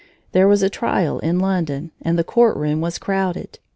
There was a trial in London, and the court room was crowded.